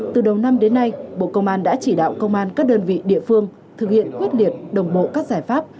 từ đầu năm đến nay bộ công an đã chỉ đạo công an các đơn vị địa phương thực hiện quyết liệt đồng bộ các giải pháp